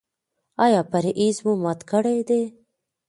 ایا پرهیز مو مات کړی دی؟